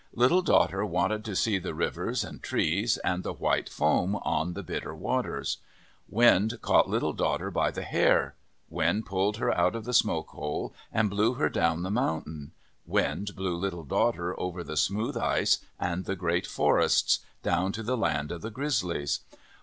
Little Daughter wanted to see the rivers and trees, and the white foam on the Bitter Waters. Wind caught Little Daughter by the hair. Wind pulled her out of the smoke hole and blew her down the mountain. Wind blew Little Daughter over the smooth ice and the great forests, down to the land of the Grizzlies.